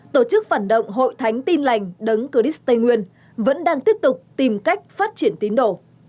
tổ chức phản động hội thánh tiên lành đấng cửa đít tây nguyên vẫn đang tiếp tục tìm cách phát triển tín đổ